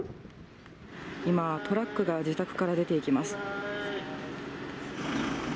今、トラックが自宅から出ていきます。